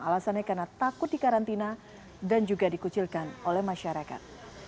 alasannya karena takut dikarantina dan juga dikucilkan oleh masyarakat